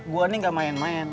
gue ini gak main main